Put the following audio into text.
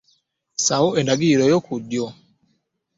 Ssaawo endagiriro yo ku ddyo.